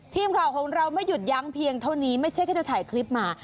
ทีมข่าวของเราไม่หยุดยั้งเพียงเท่านี้ไม่ใช่แค่จะถ่ายคลิปมา